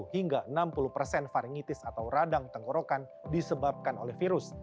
empat puluh hingga enam puluh persen faringitis atau radang tenggorokan disebabkan oleh virus